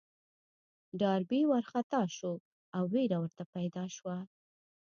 ډاربي وارخطا شو او وېره ورته پيدا شوه.